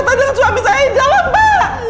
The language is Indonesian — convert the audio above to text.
tadang suami saya hidup mbak